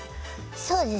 そうですね。